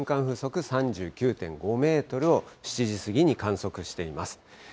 風速３９．５メートルを７時過ぎに観測しています。